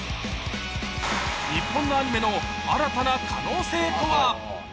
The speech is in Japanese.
日本のアニメの新たな可能性とは。